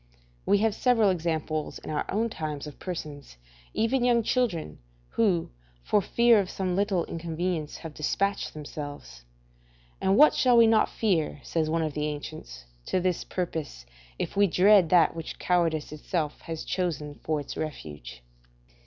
We have several examples in our own times of persons, even young children, who for fear of some little inconvenience have despatched themselves. And what shall we not fear, says one of the ancients [Seneca, Ep., 70.] to this purpose, if we dread that which cowardice itself has chosen for its refuge?